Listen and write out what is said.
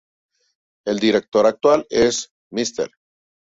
El director actual es Mr.